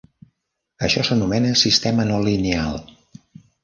Això s'anomena "sistema no lineal".